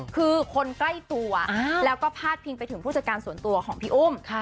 คือคนใกล้ตัวแล้วก็พาดพิงไปถึงผู้จัดการส่วนตัวของพี่อุ้ม